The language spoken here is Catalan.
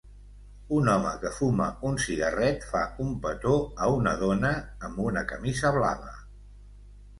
Un home que fuma un cigarret fa un petó a una dona amb una camisa blava.